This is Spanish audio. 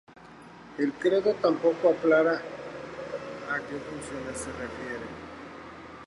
El credo tampoco aclara a que funciones se refiere.